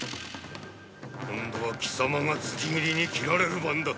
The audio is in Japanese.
今度は貴様が辻斬りに斬られる番だ。